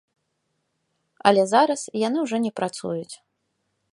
Але зараз яны ўжо не працуюць.